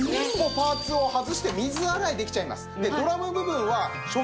パーツを外して水洗いできちゃいます。